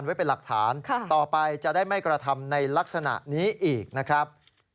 ไว้เป็นหลักฐานต่อไปจะได้ไม่กระทำในลักษณะนี้อีกนะครับ